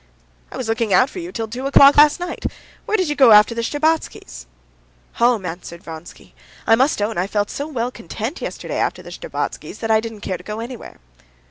"I was looking out for you till two o'clock last night. Where did you go after the Shtcherbatskys'?" "Home," answered Vronsky. "I must own I felt so well content yesterday after the Shtcherbatskys' that I didn't care to go anywhere."